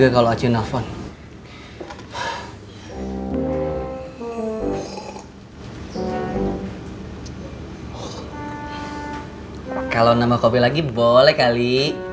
kalau nambah kopi lagi boleh kali